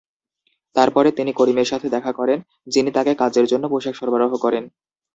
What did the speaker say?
তারপরে তিনি করিমের সাথে দেখা করেন, যিনি তাকে কাজের জন্য পোশাক সরবরাহ করেন।